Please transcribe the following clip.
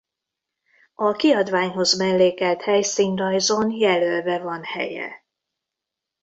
A kiadványhoz mellékelt helyszínrajzon jelölve van helye.